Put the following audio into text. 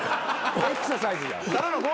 エクササイズじゃん。